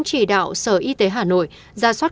chỉ đạo sở y tế hà nội ra soát